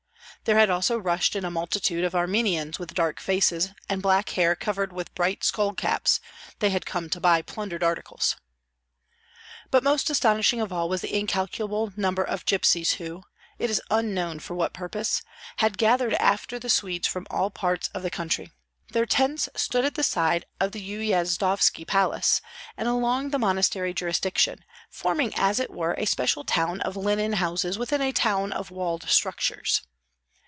There had also rushed in a multitude of Armenians with dark faces, and black hair covered with bright skull caps; they had come to buy plundered articles. But most astonishing of all was the incalculable number of gypsies, who, it is unknown for what purpose, had gathered after the Swedes from all parts of the country. Their tents stood at the side of the Uyazdovski Palace, and along the monastery jurisdiction, forming as it were a special town of linen houses within a town of walled structures.